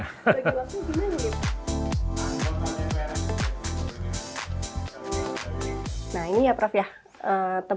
nah ini ya prof ya tempat